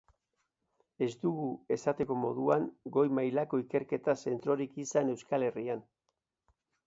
Ez dugu, esateko moduan, goi mailako ikerketa zentrorik izan Euskal Herrian.